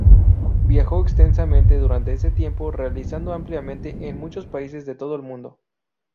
Viajó extensamente durante ese tiempo realizando ampliamente en muchos países de todo el mundo.